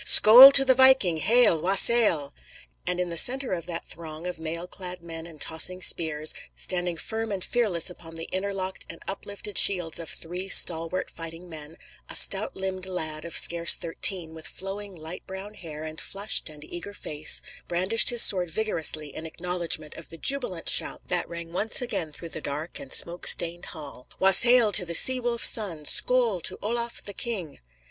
"Skoal to the Viking! Hael; was hael!" and in the centre of that throng of mail clad men and tossing spears, standing firm and fearless upon the interlocked and uplifted shields of three stalwart fighting men, a stout limbed lad of scarce thirteen, with flowing light brown hair and flushed and eager face, brandished his sword vigorously in acknowledgment of the jubilant shout that rang once again through the dark and smoke stained hall: "Was hael to the sea wolf's son! Skoal to Olaf the King!"